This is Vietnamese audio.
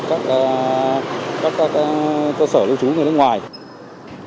các cơ sở lưu trú người nước ngoài